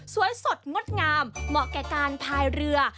สดงดงามเหมาะแก่การพายเรือ